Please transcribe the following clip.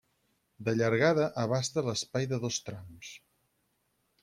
De llargada, abasta l'espai de dos trams.